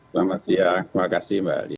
selamat siang terima kasih mbak ali